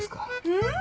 うん？